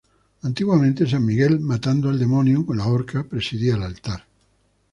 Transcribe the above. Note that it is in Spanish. Antiguamente, San Miguel matando al demonio con la Horca, presidía el altar.